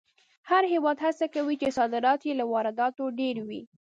هر هېواد هڅه کوي چې صادرات یې له وارداتو ډېر وي.